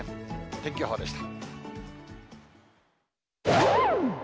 天気予報でした。